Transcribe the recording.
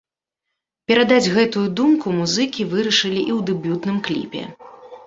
Перадаць гэтую думку музыкі вырашылі і ў дэбютным кліпе.